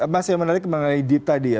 masih menarik mengenai deep tadi ya